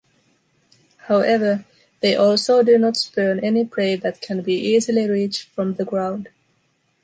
However, they also do not spurn any prey that can be easily reached from the ground.